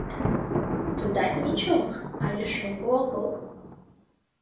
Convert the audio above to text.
Тудат ничо, але шоҥго огыл.